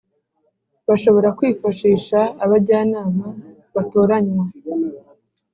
Bashobora kwifashisha abajyanama batoranywa